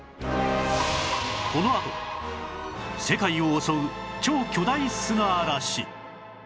このあと世界を襲う超巨大砂嵐